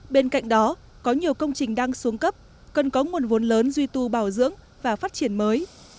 bên cạnh đó có nhiều công trình đang xuống cấp cần có nguồn vốn lớn duy tu bảo dưỡng và phát triển mới